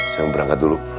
saya mau berangkat dulu